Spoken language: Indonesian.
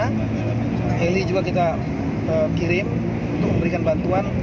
heli juga kita kirim untuk memberikan bantuan